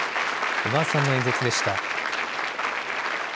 小川さんの演説でした。